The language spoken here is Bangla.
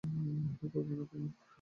ভয় করবে না তোমার?